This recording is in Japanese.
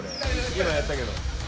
今やったけど。